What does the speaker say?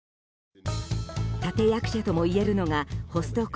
立役者ともいえるのがホスト国